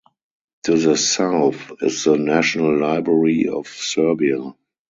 To the south is the National Library of Serbia.